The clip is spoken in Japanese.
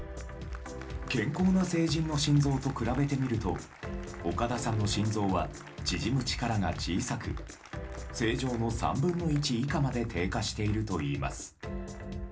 健康な成人の心臓と比べてみると岡田さんの心臓は縮む力が小さく正常の３分の１以下まで低下しているといいます。